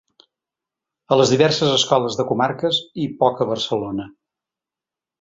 A les diverses escoles de comarques i poc a Barcelona.